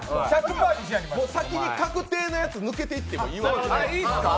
先に確定のやつ、抜けていってもいいわ。